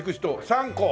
３個。